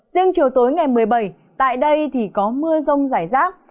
riêng chiều tối ngày một mươi bảy tại đây thì có mưa rông rải rác